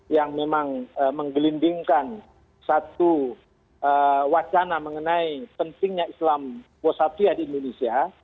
yang memang menggelindingkan satu wacana mengenai pentingnya islam wasapia di indonesia